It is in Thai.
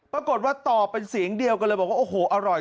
ปรากฏว่าตอบเป็นเสียงเดียวก็เลยบอกว่าโอ้โหอร่อย